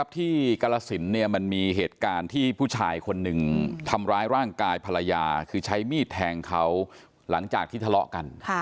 กรสินมันมีเหตุการณ์ที่ผู้ชายคนหนึ่งทำร้ายร่างกายภรรยาคือใช้มีดแทงเขาหลังจากที่ทะเลาะกัน